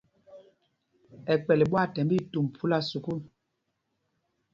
Ɛkpɛl ɓwaathɛmb itumb phúla sukûl.